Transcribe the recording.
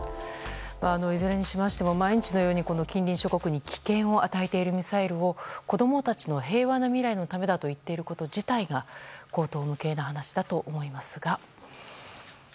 いずれにしましても毎日のように近隣諸国に危険を与えているミサイルを子供たちの平和な未来のためだと言っていること自体が荒唐無稽な話だと思いますが。